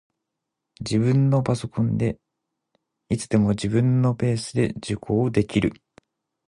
自分のパソコンで、いつでも自分のペースで受講できる